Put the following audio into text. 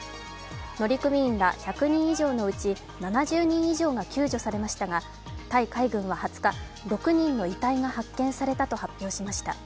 乗組員ら１００人以上のうち７０人以上が救助されましたが、タイ海軍は２０日、６人の遺体が発見されたと発表しました。